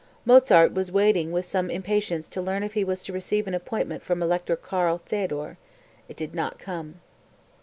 Mozart was waiting with some impatience to learn if he was to receive an appointment from Elector Karl Theodore. It did not come.)